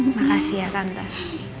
makasih ya kantor